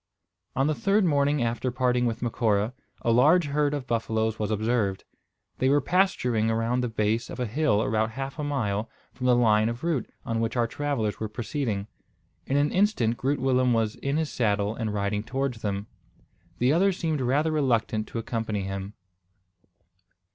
On the third morning after parting with Macora a large herd of buffaloes was observed. They were pasturing around the base of a hill about half a mile from the line of route on which our travellers were proceeding. In an instant Groot Willem was in his saddle and riding towards them. The others seemed rather reluctant to accompany him.